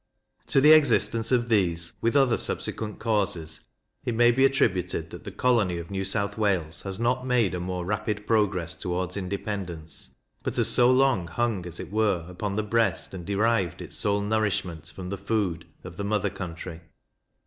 To the existence of these, with other subsequent causes, it may be attributed that the colony of New South Wales has not made a more rapid progress towards independence, but has so long hung, as it were, upon the breast, and derived its sole nourishment from the food, of the mother country.